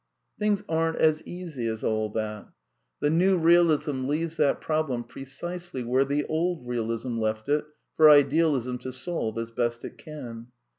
Things aren't as easy as all that The New Eealism ^Ji leaves that problem precisely where the old Eealism left^;^^"^*^ it, for Idealism to solve as best it can.